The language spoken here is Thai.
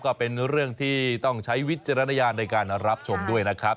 ก็เป็นเรื่องที่ต้องใช้วิจารณญาณในการรับชมด้วยนะครับ